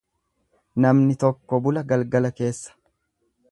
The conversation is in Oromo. Namni tokko bula galgala keessa.